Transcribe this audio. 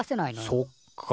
そっか。